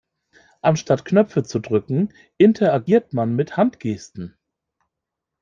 Anstatt Knöpfe zu drücken, interagiert man mit Handgesten.